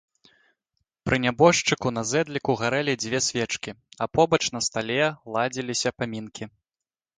Пры нябожчыку на зэдліку гарэлі дзве свечкі, а побач на стале ладзіліся памінкі.